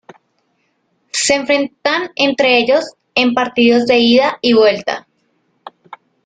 Se enfrentan entre ellos en partidos de ida y vuelta.